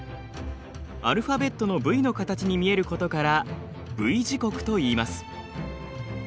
アルファベットのＶの形に見えることからＶ字谷といいます。